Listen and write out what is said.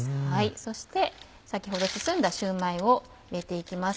そして先ほど包んだシューマイを入れて行きます。